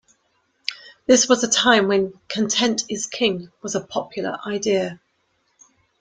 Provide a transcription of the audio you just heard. This was a time when "content is king" was a popular idea.